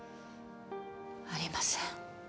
ありません。